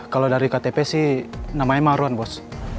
kalau dari ktp sih namanya maruan bos